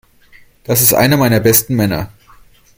Das ist einer meiner besten Männer.